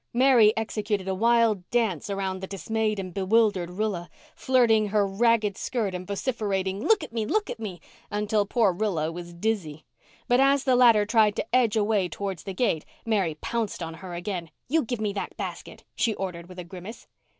Mary executed a wild dance around the dismayed and bewildered Rilla, flirting her ragged skirt and vociferating "Look at me—look at me" until poor Rilla was dizzy. But as the latter tried to edge away towards the gate Mary pounced on her again. "You give me that basket," she ordered with a grimace.